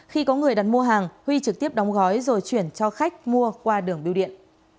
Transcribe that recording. khi có người đặt mua hàng huy trực tiếp đóng gói rồi chuyển cho khách mua qua đường biêu điện